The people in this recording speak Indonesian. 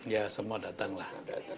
ya semua datang lah